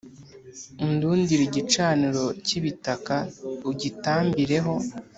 Undundire igicaniro cy ibitaka ugitambireho